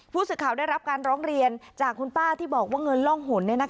ผู้สื่อข่าวได้รับการร้องเรียนจากคุณป้าที่บอกว่าเงินร่องหน